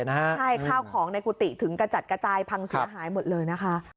ใช่ข้าวของในกุฏิถึงกระจัดกระจายพังเสียหายหมดเลยนะคะ